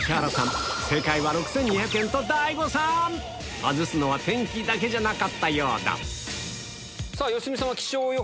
大誤算‼外すのは天気だけじゃなかったようだ